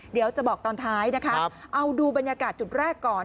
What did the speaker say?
เดี๋ยวจะบอกตอนท้ายนะคะเอาดูบรรยากาศจุดแรกก่อน